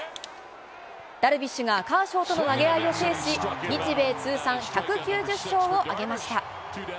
ダルビッシュがカーショーとの投げ合いを制し、日米通算１９０勝を挙げました。